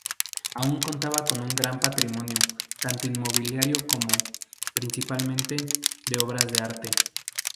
Aún contaba con un gran patrimonio, tanto inmobiliario como, principalmente, de obras de arte.